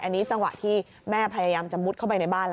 อันนี้จังหวะที่แม่พยายามจะมุดเข้าไปในบ้านแล้ว